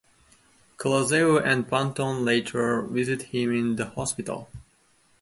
Clouseau and Ponton later visit him in the hospital.